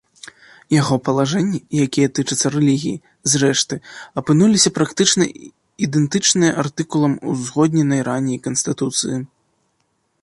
Яго палажэнні, якія тычацца рэлігіі, зрэшты, апынуліся практычна ідэнтычныя артыкулам узгодненай раней канстытуцыі.